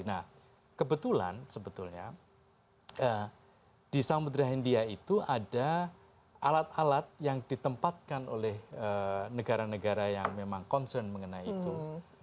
nah kebetulan sebetulnya di samudera hindia itu ada alat alat yang ditempatkan oleh negara negara yang memang concern mengenai itu